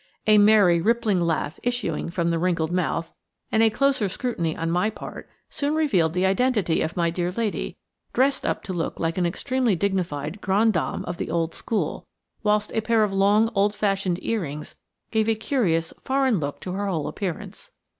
A merry, rippling laugh issuing from the wrinkled mouth, and a closer scrutiny on my part, soon revealed the identity of my dear lady, dressed up to look like an extremely dignified grande dame of the old school, whilst a pair of long, old fashioned earrings gave a curious, foreign look to her whole appearance.